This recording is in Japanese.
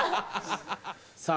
さあ